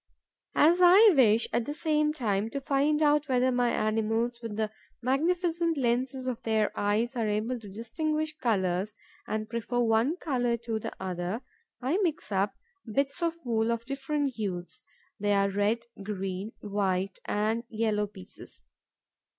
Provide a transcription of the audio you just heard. As I wish, at the same time, to find out whether my animals, with the magnificent lenses of their eyes, are able to distinguish colours and prefer one colour to another, I mix up bits of wool of different hues: there are red, green, white and yellow pieces.